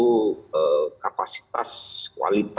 jadi saya ingin tanya ke mas hasto